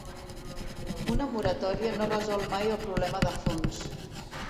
Una moratòria no resol mai el problema de fons.